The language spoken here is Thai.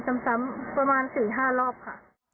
ซ้ำประมาณ๔๕รอบค่ะ